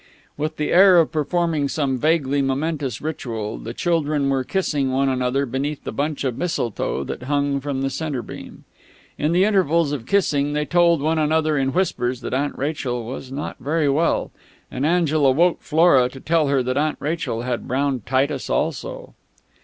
With the air of performing some vaguely momentous ritual, the children were kissing one another beneath the bunch of mistletoe that hung from the centre beam. In the intervals of kissing they told one another in whispers that Aunt Rachel was not very well, and Angela woke Flora to tell her that Aunt Rachel had Brown Titus also.